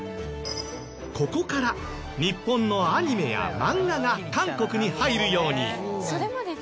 ここから日本のアニメやマンガが韓国に入るように。